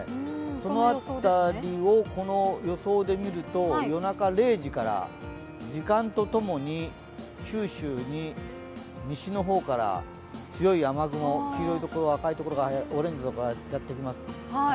その辺りをこの予想で見ると夜中０時から、時間と共に九州に西の方から強い雨雲、黄色いとこ、赤いところオレンジがやってきます。